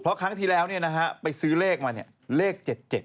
เพราะครั้งที่แล้วไปซื้อเลขมาเนี่ยเลข๗๗